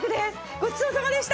ごちそうさまでした！